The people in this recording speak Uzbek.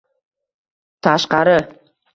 tashqari…